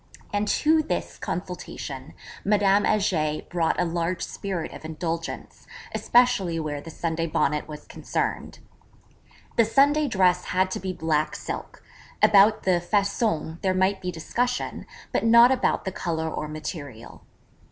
And to this consultation Madame Heger brought a large spirit of indulgence, especially where the Sunday Bonnet was concerned. The Sunday Dress had to be black silk about the façon there might be discussion, but not about the colour or material.